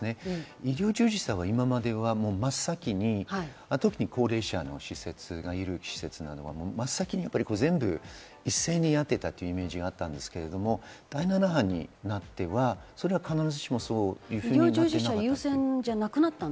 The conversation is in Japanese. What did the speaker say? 医療従事者は今までは真っ先に特に高齢者がいる施設などは、真っ先に一斉にやっていたイメージがあったんですけども、第７波になって、それは必ずしも、そういうふうにはなっていない。